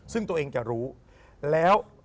ซึ่งตัวเองจะรู้แล้ว